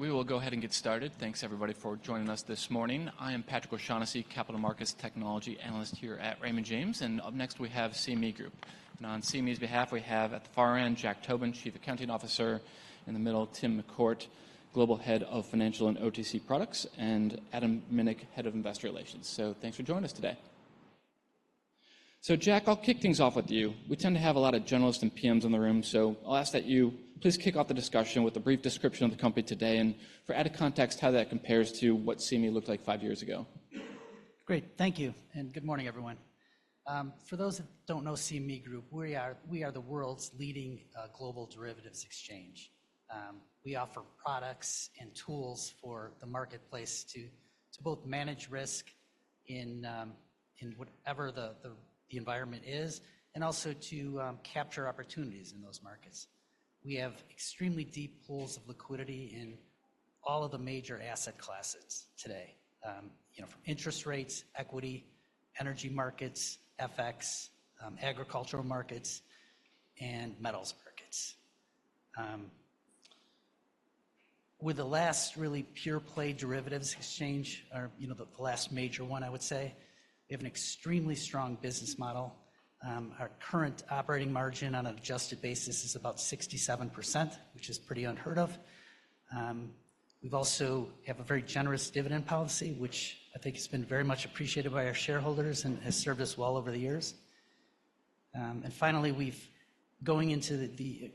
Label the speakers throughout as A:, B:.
A: We will go ahead and get started. Thanks, everybody, for joining us this morning. I am Patrick O'Shaughnessy, Capital Markets Technology Analyst here at Raymond James, and up next we have CME Group. And on CME's behalf, we have at the far end Jack Tobin, Chief Accounting Officer, in the middle, Tim McCourt, Global Head of Financial and OTC Products, and Adam Minick, Head of Investor Relations. So thanks for joining us today. So Jack, I'll kick things off with you. We tend to have a lot of journalists and PMs in the room, so I'll ask that you please kick off the discussion with a brief description of the company today and, for added context, how that compares to what CME looked like five years ago.
B: Great. Thank you, and good morning, everyone. For those that don't know CME Group, we are the world's leading global derivatives exchange. We offer products and tools for the marketplace to both manage risk in whatever the environment is and also to capture opportunities in those markets. We have extremely deep pools of liquidity in all of the major asset classes today, from interest rates, equity, energy markets, FX, agricultural markets, and metals markets. With the last really pure-play derivatives exchange, the last major one, I would say, we have an extremely strong business model. Our current operating margin on an adjusted basis is about 67%, which is pretty unheard of. We also have a very generous dividend policy, which I think has been very much appreciated by our shareholders and has served us well over the years. Finally, going into the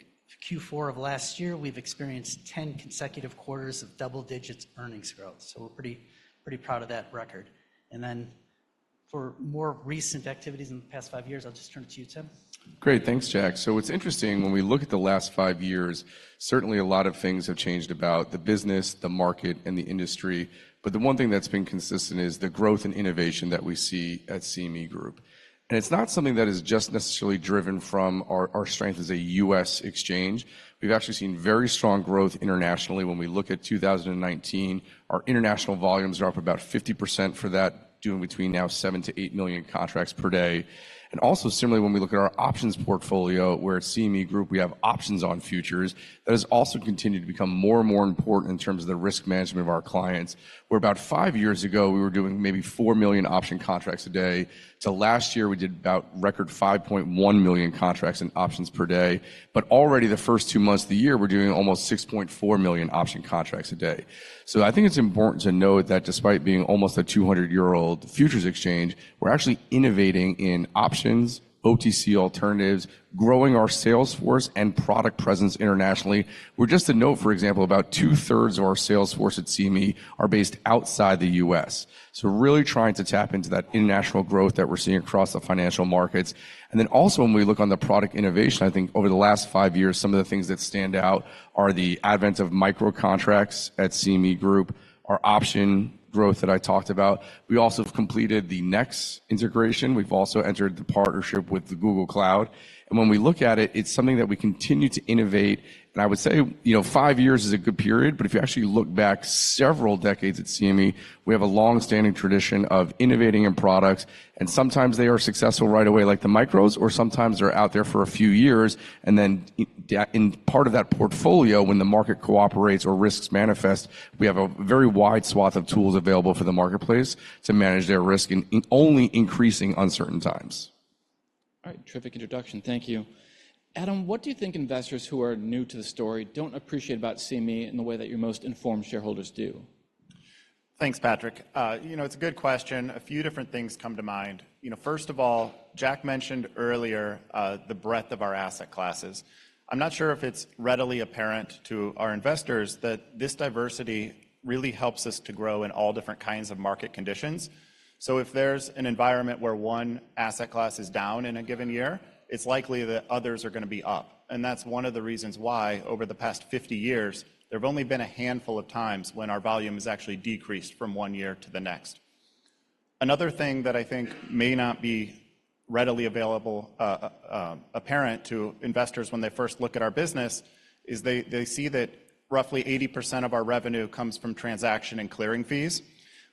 B: Q4 of last year, we've experienced 10 consecutive quarters of double-digit earnings growth, so we're pretty proud of that record. Then for more recent activities in the past five years, I'll just turn it to you, Tim.
C: Great. Thanks, Jack. So what's interesting, when we look at the last 5 years, certainly a lot of things have changed about the business, the market, and the industry, but the one thing that's been consistent is the growth and innovation that we see at CME Group. And it's not something that is just necessarily driven from our strength as a U.S. exchange. We've actually seen very strong growth internationally. When we look at 2019, our international volumes are up about 50% for that, doing between now 7-8 million contracts per day. And also, similarly, when we look at our options portfolio, where at CME Group we have options on futures, that has also continued to become more and more important in terms of the risk management of our clients. Where about 5 years ago, we were doing maybe 4 million option contracts a day. To last year, we did about record 5.1 million contracts in options per day. But already, the first two months of the year, we're doing almost 6.4 million option contracts a day. So I think it's important to note that despite being almost a 200-year-old futures exchange, we're actually innovating in options, OTC alternatives, growing our sales force, and product presence internationally. We're just to note, for example, about two-thirds of our sales force at CME are based outside the U.S., so really trying to tap into that international growth that we're seeing across the financial markets. And then also, when we look on the product innovation, I think over the last five years, some of the things that stand out are the advent of Micro contracts at CME Group, our option growth that I talked about. We also have completed the NEX integration. We've also entered the partnership with Google Cloud. When we look at it, it's something that we continue to innovate. I would say five years is a good period, but if you actually look back several decades at CME, we have a longstanding tradition of innovating in products, and sometimes they are successful right away, like the micros, or sometimes they're out there for a few years. Then in part of that portfolio, when the market cooperates or risks manifest, we have a very wide swath of tools available for the marketplace to manage their risk in only increasing uncertain times.
A: All right. Terrific introduction. Thank you. Adam, what do you think investors who are new to the story don't appreciate about CME in the way that your most informed shareholders do?
D: Thanks, Patrick. It's a good question. A few different things come to mind. First of all, Jack mentioned earlier the breadth of our asset classes. I'm not sure if it's readily apparent to our investors that this diversity really helps us to grow in all different kinds of market conditions. So if there's an environment where one asset class is down in a given year, it's likely that others are going to be up. And that's one of the reasons why, over the past 50 years, there have only been a handful of times when our volume has actually decreased from one year to the next. Another thing that I think may not be readily apparent to investors when they first look at our business is they see that roughly 80% of our revenue comes from transaction and clearing fees,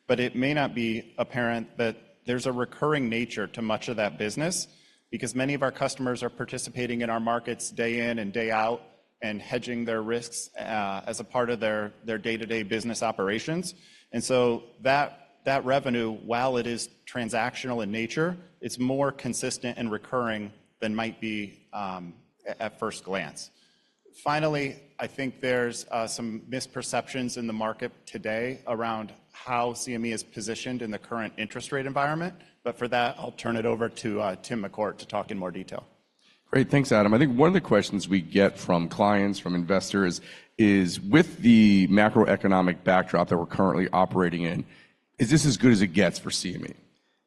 D: but it may not be apparent that there's a recurring nature to much of that business because many of our customers are participating in our markets day in and day out and hedging their risks as a part of their day-to-day business operations. So that revenue, while it is transactional in nature, it's more consistent and recurring than might be at first glance. Finally, I think there's some misperceptions in the market today around how CME is positioned in the current interest rate environment, but for that, I'll turn it over to Tim McCourt to talk in more detail.
C: Great. Thanks, Adam. I think one of the questions we get from clients, from investors, is with the macroeconomic backdrop that we're currently operating in, is this as good as it gets for CME?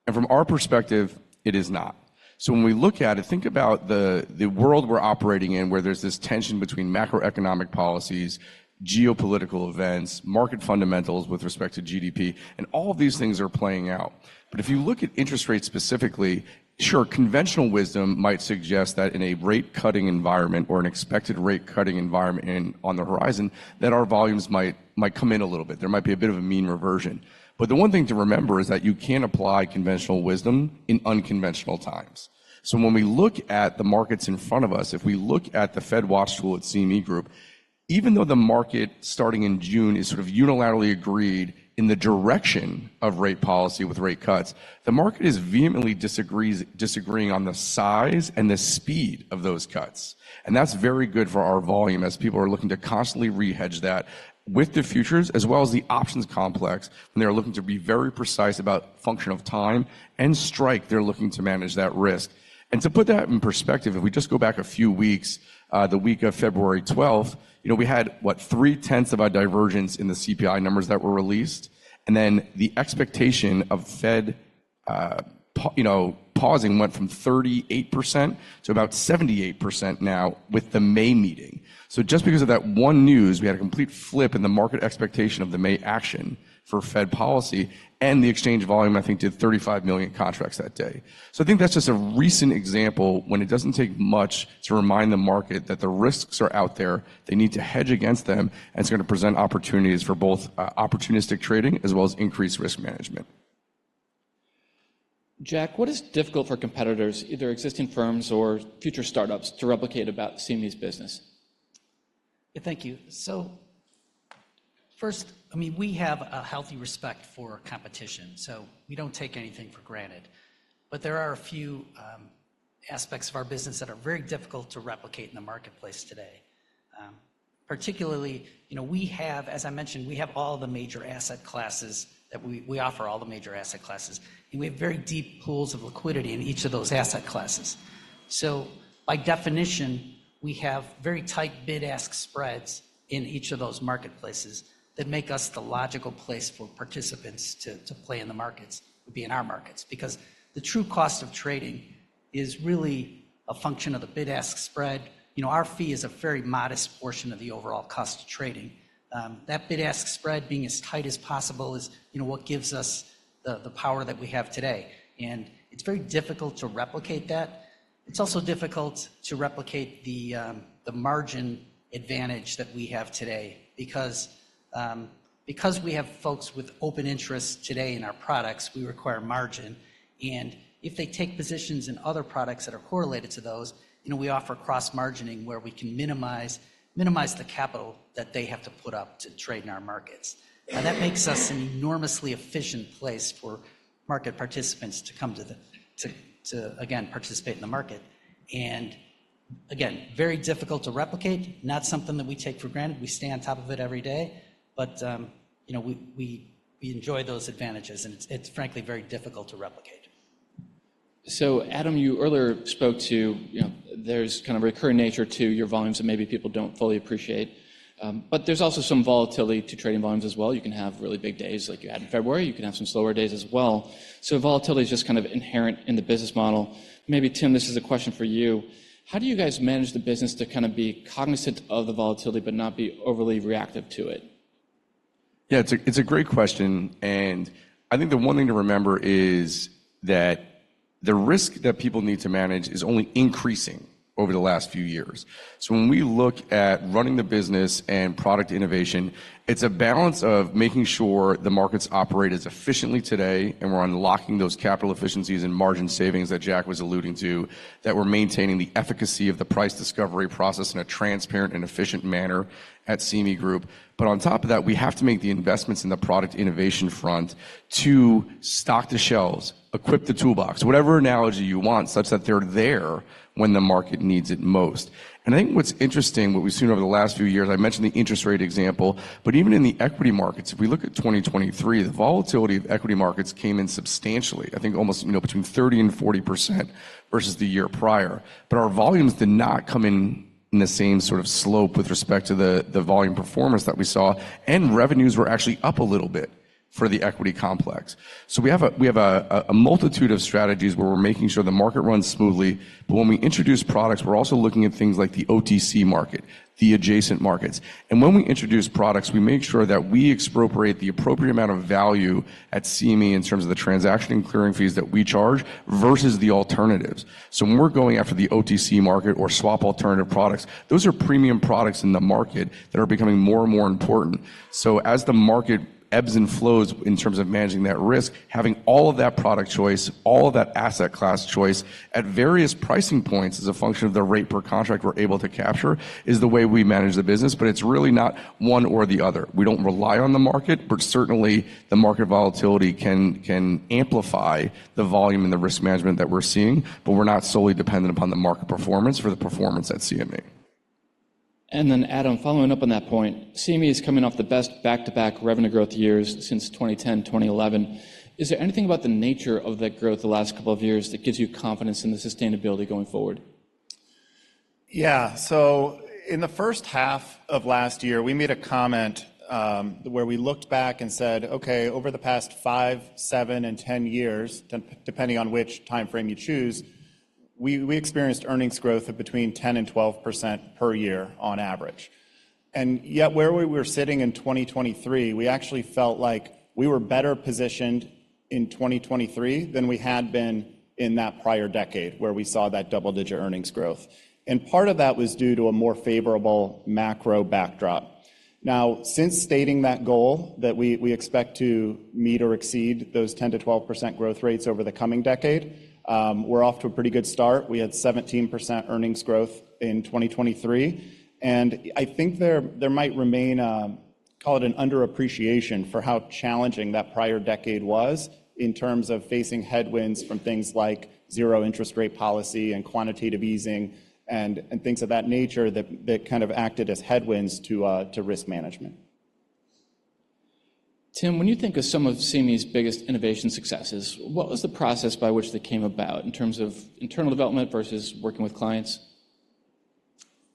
C: And from our perspective, it is not. So when we look at it, think about the world we're operating in where there's this tension between macroeconomic policies, geopolitical events, market fundamentals with respect to GDP, and all of these things are playing out. But if you look at interest rates specifically, sure, conventional wisdom might suggest that in a rate-cutting environment or an expected rate-cutting environment on the horizon, that our volumes might come in a little bit. There might be a bit of a mean reversion. But the one thing to remember is that you can apply conventional wisdom in unconventional times. When we look at the markets in front of us, if we look at the FedWatch Tool at CME Group, even though the market starting in June is sort of unilaterally agreed in the direction of rate policy with rate cuts, the market is vehemently disagreeing on the size and the speed of those cuts. That's very good for our volume as people are looking to constantly rehedge that with the futures as well as the options complex when they're looking to be very precise about function of time and strike, they're looking to manage that risk. To put that in perspective, if we just go back a few weeks, the week of February 12th, we had, what, 0.3 of our divergence in the CPI numbers that were released. Then the expectation of Fed pausing went from 38% to about 78% now with the May meeting. So just because of that one news, we had a complete flip in the market expectation of the May action for Fed policy, and the exchange volume, I think, did 35 million contracts that day. So I think that's just a recent example when it doesn't take much to remind the market that the risks are out there, they need to hedge against them, and it's going to present opportunities for both opportunistic trading as well as increased risk management.
A: Jack, what is difficult for competitors, either existing firms or future startups, to replicate about CME's business?
B: Thank you. So first, I mean, we have a healthy respect for competition, so we don't take anything for granted. But there are a few aspects of our business that are very difficult to replicate in the marketplace today. Particularly, we have, as I mentioned, we have all the major asset classes that we offer all the major asset classes, and we have very deep pools of liquidity in each of those asset classes. So by definition, we have very tight bid-ask spreads in each of those marketplaces that make us the logical place for participants to play in the markets, would be in our markets, because the true cost of trading is really a function of the bid-ask spread. Our fee is a very modest portion of the overall cost of trading. That bid-ask spread being as tight as possible is what gives us the power that we have today. It's very difficult to replicate that. It's also difficult to replicate the margin advantage that we have today because we have folks with open interest today in our products. We require margin. And if they take positions in other products that are correlated to those, we offer cross-margining where we can minimize the capital that they have to put up to trade in our markets. Now, that makes us an enormously efficient place for market participants to come to, again, participate in the market. And again, very difficult to replicate, not something that we take for granted. We stay on top of it every day, but we enjoy those advantages, and it's, frankly, very difficult to replicate.
A: So Adam, you earlier spoke to there's kind of a recurring nature to your volumes that maybe people don't fully appreciate, but there's also some volatility to trading volumes as well. You can have really big days like you had in February. You can have some slower days as well. So volatility is just kind of inherent in the business model. Maybe, Tim, this is a question for you. How do you guys manage the business to kind of be cognizant of the volatility but not be overly reactive to it?
C: Yeah, it's a great question. And I think the one thing to remember is that the risk that people need to manage is only increasing over the last few years. So when we look at running the business and product innovation, it's a balance of making sure the markets operate as efficiently today, and we're unlocking those capital efficiencies and margin savings that Jack was alluding to, that we're maintaining the efficacy of the price discovery process in a transparent and efficient manner at CME Group. But on top of that, we have to make the investments in the product innovation front to stock the shelves, equip the toolbox, whatever analogy you want, such that they're there when the market needs it most. I think what's interesting, what we've seen over the last few years, I mentioned the interest rate example, but even in the equity markets, if we look at 2023, the volatility of equity markets came in substantially, I think almost 30%-40% versus the year prior. But our volumes did not come in the same sort of slope with respect to the volume performance that we saw, and revenues were actually up a little bit for the equity complex. So we have a multitude of strategies where we're making sure the market runs smoothly, but when we introduce products, we're also looking at things like the OTC market, the adjacent markets. And when we introduce products, we make sure that we expropriate the appropriate amount of value at CME in terms of the transaction and clearing fees that we charge versus the alternatives. So when we're going after the OTC market or swap alternative products, those are premium products in the market that are becoming more and more important. So as the market ebbs and flows in terms of managing that risk, having all of that product choice, all of that asset class choice at various pricing points as a function of the rate per contract we're able to capture is the way we manage the business. But it's really not one or the other. We don't rely on the market, but certainly the market volatility can amplify the volume and the risk management that we're seeing, but we're not solely dependent upon the market performance for the performance at CME.
A: And then, Adam, following up on that point, CME is coming off the best back-to-back revenue growth years since 2010, 2011. Is there anything about the nature of that growth the last couple of years that gives you confidence in the sustainability going forward?
D: Yeah. So in the first half of last year, we made a comment where we looked back and said, "Okay, over the past 5, 7, and 10 years," depending on which time frame you choose, "we experienced earnings growth of between 10% and 12% per year on average." And yet where we were sitting in 2023, we actually felt like we were better positioned in 2023 than we had been in that prior decade where we saw that double-digit earnings growth. And part of that was due to a more favorable macro backdrop. Now, since stating that goal that we expect to meet or exceed those 10%-12% growth rates over the coming decade, we're off to a pretty good start. We had 17% earnings growth in 2023. I think there might remain, call it an underappreciation for how challenging that prior decade was in terms of facing headwinds from things like zero interest rate policy and quantitative easing and things of that nature that kind of acted as headwinds to risk management.
A: Tim, when you think of some of CME's biggest innovation successes, what was the process by which they came about in terms of internal development versus working with clients?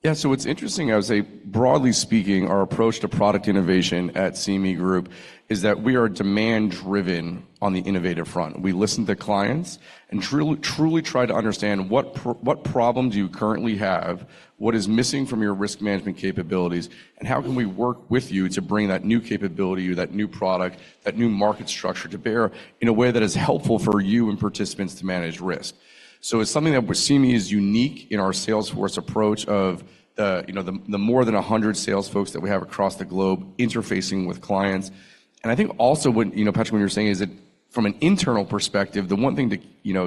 C: Yeah. So what's interesting, I would say, broadly speaking, our approach to product innovation at CME Group is that we are demand-driven on the innovative front. We listen to clients and truly try to understand what problem do you currently have, what is missing from your risk management capabilities, and how can we work with you to bring that new capability, that new product, that new market structure to bear in a way that is helpful for you and participants to manage risk. So it's something that CME is unique in our sales force approach of the more than 100 sales folks that we have across the globe interfacing with clients. And I think also, Patrick, when you're saying is that from an internal perspective, the one thing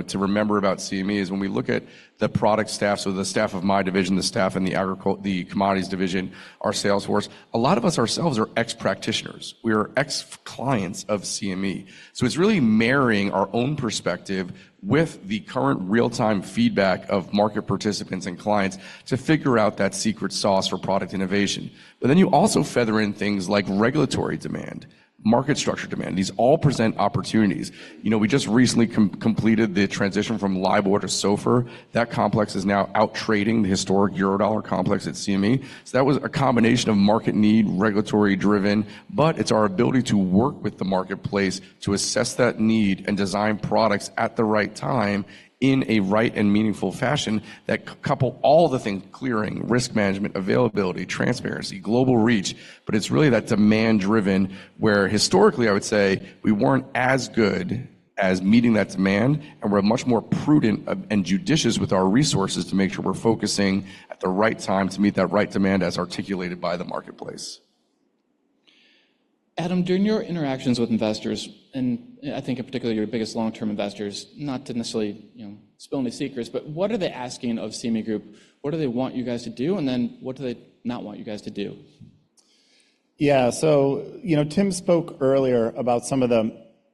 C: to remember about CME is when we look at the product staff, so the staff of my division, the staff in the commodities division, our sales force, a lot of us ourselves are ex-practitioners. We are ex-clients of CME. So it's really marrying our own perspective with the current real-time feedback of market participants and clients to figure out that secret sauce for product innovation. But then you also feather in things like regulatory demand, market structure demand. These all present opportunities. We just recently completed the transition from LIBOR to SOFR. That complex is now outtrading the historic Eurodollar complex at CME. So that was a combination of market need, regulatory-driven, but it's our ability to work with the marketplace to assess that need and design products at the right time in a right and meaningful fashion that couple all the things: clearing, risk management, availability, transparency, global reach. But it's really that demand-driven where historically, I would say, we weren't as good as meeting that demand, and we're much more prudent and judicious with our resources to make sure we're focusing at the right time to meet that right demand as articulated by the marketplace.
A: Adam, during your interactions with investors, and I think in particular your biggest long-term investors, not to necessarily spill any secrets, but what are they asking of CME Group? What do they want you guys to do, and then what do they not want you guys to do?
D: Yeah. So Tim spoke earlier about some of the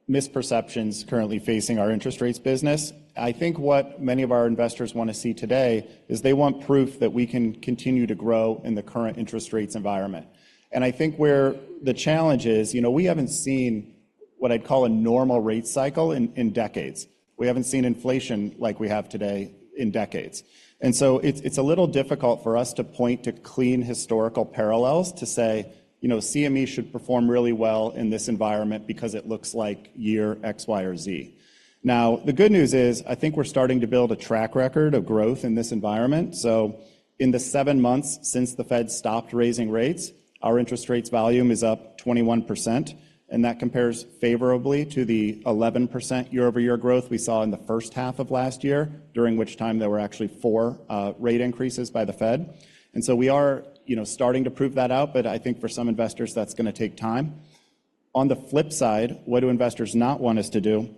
D: misperceptions currently facing our interest rates business. I think what many of our investors want to see today is they want proof that we can continue to grow in the current interest rates environment. And I think where the challenge is, we haven't seen what I'd call a normal rate cycle in decades. We haven't seen inflation like we have today in decades. And so it's a little difficult for us to point to clean historical parallels to say, "CME should perform really well in this environment because it looks like year X, Y, or Z." Now, the good news is I think we're starting to build a track record of growth in this environment. So in the 7 months since the Fed stopped raising rates, our interest rates volume is up 21%, and that compares favorably to the 11% year-over-year growth we saw in the first half of last year, during which time there were actually 4 rate increases by the Fed. And so we are starting to prove that out, but I think for some investors, that's going to take time. On the flip side, what do investors not want us to do?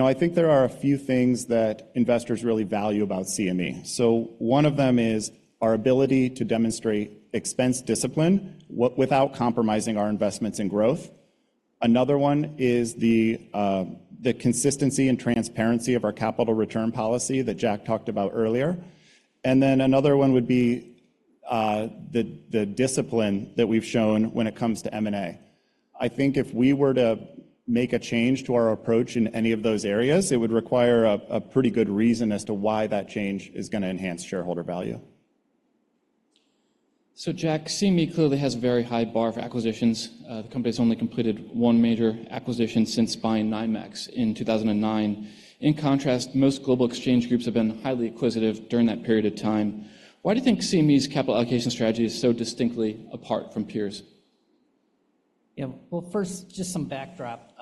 D: I think there are a few things that investors really value about CME. So one of them is our ability to demonstrate expense discipline without compromising our investments in growth. Another one is the consistency and transparency of our capital return policy that Jack talked about earlier. And then another one would be the discipline that we've shown when it comes to M&A. I think if we were to make a change to our approach in any of those areas, it would require a pretty good reason as to why that change is going to enhance shareholder value.
A: So Jack, CME clearly has a very high bar for acquisitions. The company has only completed one major acquisition since buying NYMEX in 2009. In contrast, most global exchange groups have been highly acquisitive during that period of time. Why do you think CME's capital allocation strategy is so distinctly apart from peers?
B: Yeah. Well, first, just some backdrop.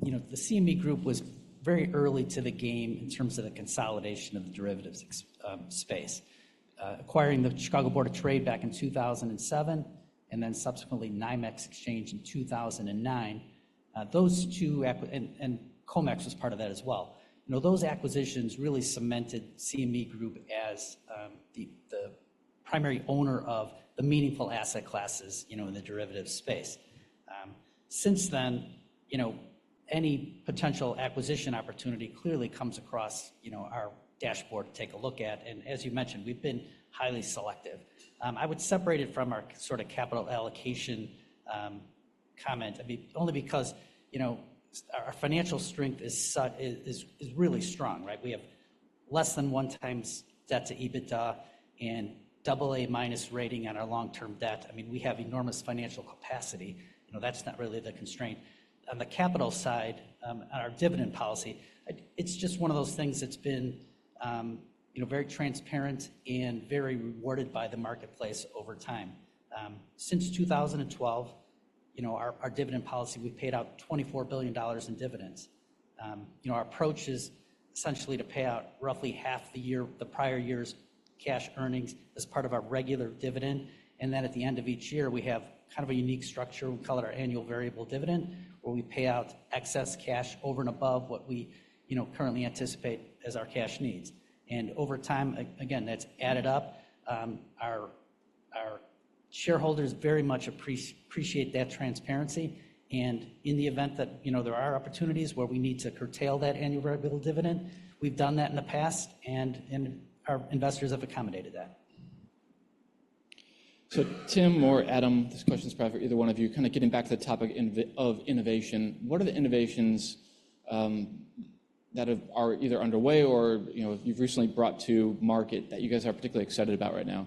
B: The CME Group was very early to the game in terms of the consolidation of the derivatives space, acquiring the Chicago Board of Trade back in 2007 and then subsequently NYMEX Exchange in 2009. COMEX was part of that as well. Those acquisitions really cemented CME Group as the primary owner of the meaningful asset classes in the derivatives space. Since then, any potential acquisition opportunity clearly comes across our dashboard to take a look at. As you mentioned, we've been highly selective. I would separate it from our sort of capital allocation comment only because our financial strength is really strong, right? We have less than one times debt to EBITDA and AA-minus rating on our long-term debt. I mean, we have enormous financial capacity. That's not really the constraint. On the capital side, on our dividend policy, it's just one of those things that's been very transparent and very rewarded by the marketplace over time. Since 2012, our dividend policy, we've paid out $24 billion in dividends. Our approach is essentially to pay out roughly half the prior year's cash earnings as part of our regular dividend. Then at the end of each year, we have kind of a unique structure. We call it our annual variable dividend where we pay out excess cash over and above what we currently anticipate as our cash needs. Over time, again, that's added up. Our shareholders very much appreciate that transparency. In the event that there are opportunities where we need to curtail that annual variable dividend, we've done that in the past, and our investors have accommodated that.
A: So Tim or Adam, this question is probably for either one of you, kind of getting back to the topic of innovation. What are the innovations that are either underway or you've recently brought to market that you guys are particularly excited about right now?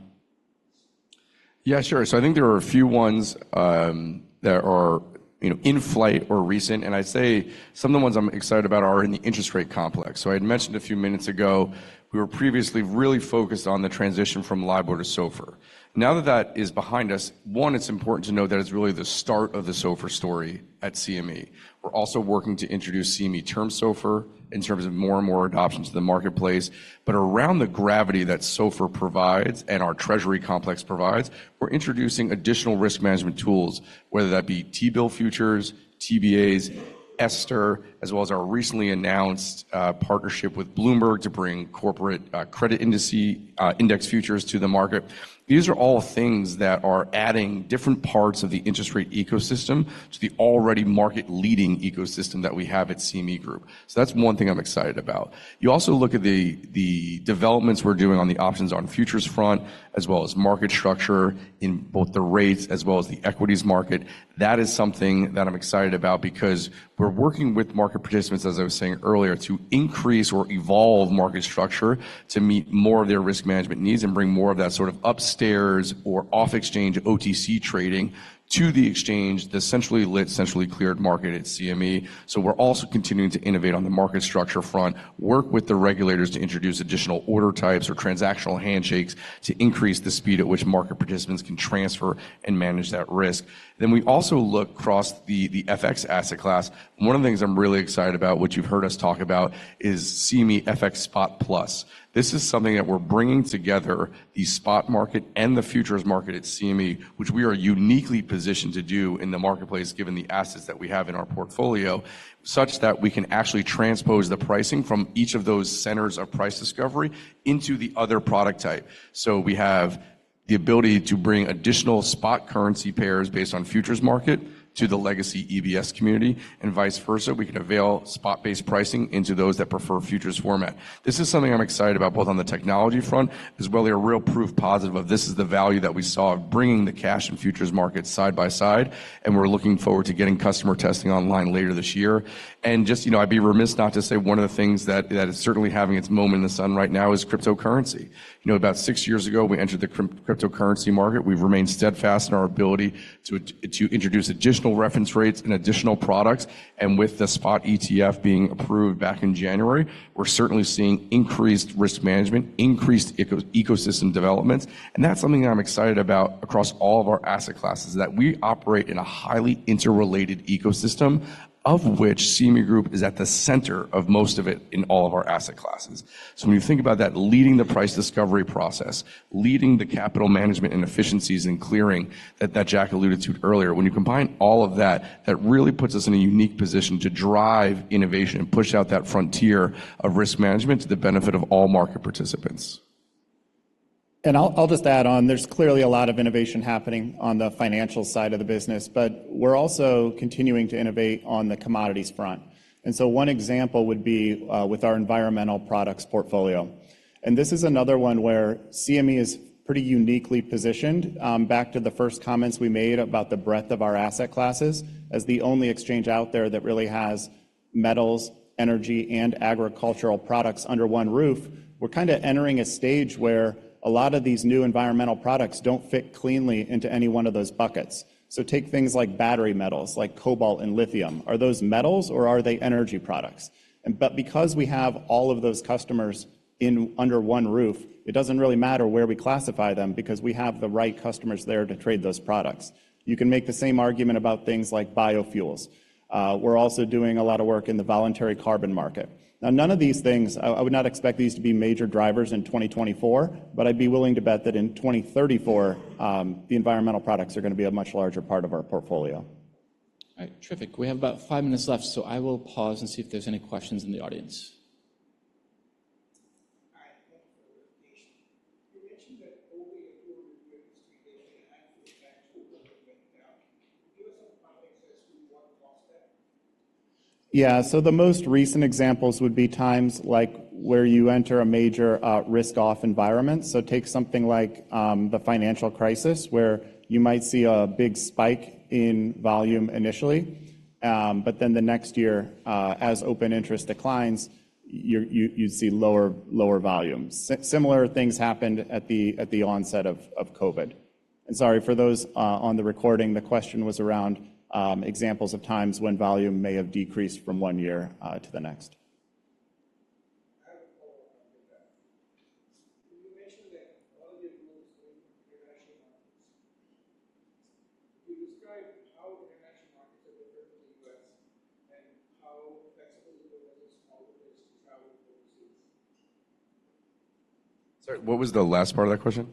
C: Yeah, sure. So I think there are a few ones that are in flight or recent. And I'd say some of the ones I'm excited about are in the interest rate complex. So I had mentioned a few minutes ago, we were previously really focused on the transition from LIBOR to SOFR. Now that that is behind us, one, it's important to know that it's really the start of the SOFR story at CME. We're also working to introduce CME Term SOFR in terms of more and more adoption to the marketplace. But around the gravity that SOFR provides and our Treasury complex provides, we're introducing additional risk management tools, whether that be T-bill futures, TBAs, €STR, as well as our recently announced partnership with Bloomberg to bring corporate credit index futures to the market. These are all things that are adding different parts of the interest rate ecosystem to the already market-leading ecosystem that we have at CME Group. So that's one thing I'm excited about. You also look at the developments we're doing on the options on futures front as well as market structure in both the rates as well as the equities market. That is something that I'm excited about because we're working with market participants, as I was saying earlier, to increase or evolve market structure to meet more of their risk management needs and bring more of that sort of upstairs or off-exchange OTC trading to the exchange, the centrally-lit, centrally-cleared market at CME. So we're also continuing to innovate on the market structure front, work with the regulators to introduce additional order types or transactional handshakes to increase the speed at which market participants can transfer and manage that risk. Then we also look across the FX asset class. One of the things I'm really excited about, which you've heard us talk about, is CME FX Spot+. This is something that we're bringing together, the spot market and the futures market at CME, which we are uniquely positioned to do in the marketplace given the assets that we have in our portfolio such that we can actually transpose the pricing from each of those centers of price discovery into the other product type. So we have the ability to bring additional spot currency pairs based on futures market to the legacy EBS community and vice versa. We can avail spot-based pricing into those that prefer futures format. This is something I'm excited about both on the technology front as well. They're a real proof positive of this. This is the value that we saw of bringing the cash and futures market side by side. We're looking forward to getting customer testing online later this year. Just, I'd be remiss not to say one of the things that is certainly having its moment in the sun right now is cryptocurrency. About six years ago, we entered the cryptocurrency market. We've remained steadfast in our ability to introduce additional reference rates and additional products. With the spot ETF being approved back in January, we're certainly seeing increased risk management, increased ecosystem developments. That's something that I'm excited about across all of our asset classes, that we operate in a highly interrelated ecosystem of which CME Group is at the center of most of it in all of our asset classes. When you think about that leading the price discovery process, leading the capital management and efficiencies and clearing that Jack alluded to earlier, when you combine all of that, that really puts us in a unique position to drive innovation and push out that frontier of risk management to the benefit of all market participants.
D: I'll just add on, there's clearly a lot of innovation happening on the financial side of the business, but we're also continuing to innovate on the commodities front. So one example would be with our environmental products portfolio. This is another one where CME is pretty uniquely positioned. Back to the first comments we made about the breadth of our asset classes, as the only exchange out there that really has metals, energy, and agricultural products under one roof, we're kind of entering a stage where a lot of these new environmental products don't fit cleanly into any one of those buckets. Take things like battery metals, like cobalt and lithium. Are those metals, or are they energy products? But because we have all of those customers under one roof, it doesn't really matter where we classify them because we have the right customers there to trade those products. You can make the same argument about things like biofuels. We're also doing a lot of work in the voluntary carbon market. Now, none of these things I would not expect these to be major drivers in 2024, but I'd be willing to bet that in 2034, the environmental products are going to be a much larger part of our portfolio.
A: All right. Terrific. We have about five minutes left, so I will pause and see if there's any questions in the audience.
E: All right. Thank you for the introduction. You mentioned that over the years, you've been on the Street. They say, "I'm going back to work with them." Can you give us some context as to what caused that?
D: Yeah. So the most recent examples would be times where you enter a major risk-off environment. So take something like the financial crisis where you might see a big spike in volume initially. But then the next year, as open interest declines, you'd see lower volumes. Similar things happened at the onset of COVID. And sorry for those on the recording. The question was around examples of times when volume may have decreased from one year to the next.
E: I have a follow-up on that. You mentioned that all of your goal is going international markets. Can you describe how international markets are different from the U.S. and how flexible your business model is to travel overseas?
C: Sorry. What was the last part of that question?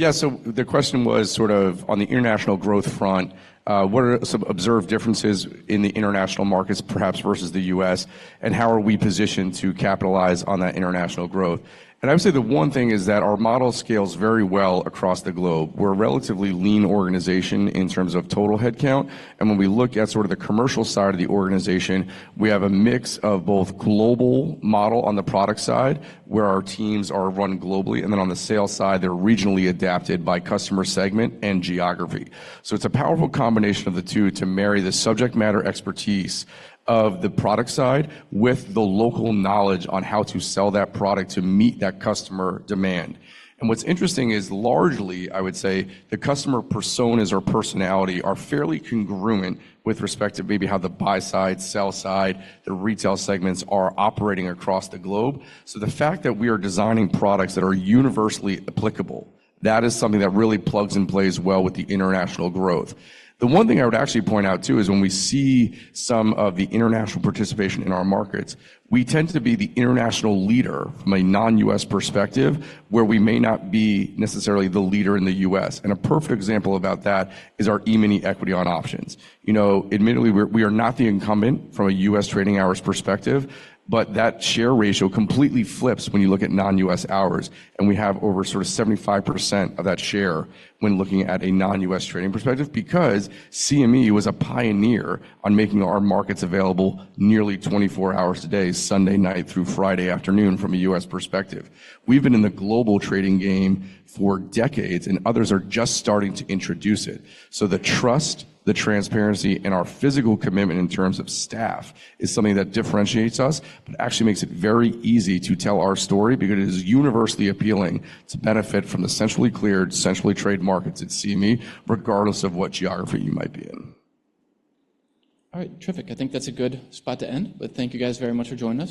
E: How long has your business model translated overseas?
C: Yeah. So the question was sort of on the international growth front, what are some observed differences in the international markets, perhaps versus the U.S., and how are we positioned to capitalize on that international growth? And I would say the one thing is that our model scales very well across the globe. We're a relatively lean organization in terms of total headcount. And when we look at sort of the commercial side of the organization, we have a mix of both global model on the product side where our teams are run globally, and then on the sales side, they're regionally adapted by customer segment and geography. So it's a powerful combination of the two to marry the subject matter expertise of the product side with the local knowledge on how to sell that product to meet that customer demand. What's interesting is, largely, I would say the customer personas or personality are fairly congruent with respect to maybe how the buy side, sell side, the retail segments are operating across the globe. The fact that we are designing products that are universally applicable, that is something that really plugs and plays well with the international growth. The one thing I would actually point out too is when we see some of the international participation in our markets, we tend to be the international leader from a non-U.S. perspective where we may not be necessarily the leader in the U.S. A perfect example about that is our E-mini equity options. Admittedly, we are not the incumbent from a U.S. trading hours perspective, but that share ratio completely flips when you look at non-U.S. hours. We have over sort of 75% of that share when looking at a non-U.S. trading perspective because CME was a pioneer on making our markets available nearly 24 hours a day, Sunday night through Friday afternoon from a U.S. perspective. We've been in the global trading game for decades, and others are just starting to introduce it. So the trust, the transparency, and our physical commitment in terms of staff is something that differentiates us but actually makes it very easy to tell our story because it is universally appealing to benefit from the centrally cleared, centrally traded markets at CME, regardless of what geography you might be in.
A: All right. Terrific. I think that's a good spot to end, but thank you guys very much for joining us.